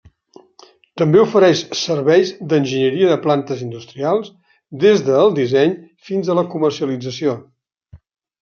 També ofereix serveis d'enginyeria de plantes industrials, des del disseny fins a la comercialització.